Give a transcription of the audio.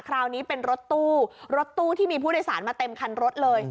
คราวนี้เป็นรถตู้รถตู้ที่มีผู้โดยสารมาเต็มคันรถเลย